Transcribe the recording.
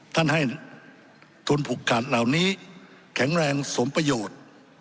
ท่านให้ทุนผูกขาดเหล่านี้แข็งแรงสมประโยชน์